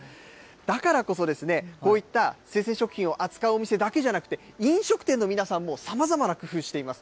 だからこそ、こういった生鮮食品を扱うお店だけじゃなくて、飲食店の皆さんもさまざまな工夫をしています。